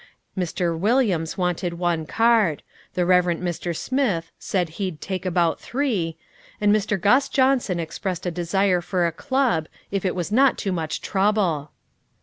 Mr. Williams wanted one card, the Reverend Mr. Smith said he'd take about three, and Mr. Gus Johnson expressed a desire for a club, if it was not too much trouble.